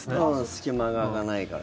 隙間がないから。